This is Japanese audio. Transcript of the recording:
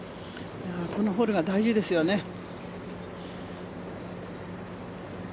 このホールは大事ですよね。